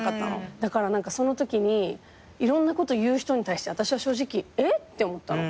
だからそのときにいろんなこと言う人に対して私は正直えっ！？って思ったの。